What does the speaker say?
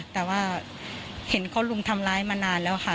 แต่ว่าเห็นเขาลุมทำร้ายมานานแล้วค่ะ